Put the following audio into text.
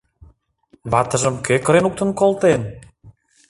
Ватыжым кӧ кырен луктын колтен?